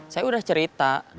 saya udah cerita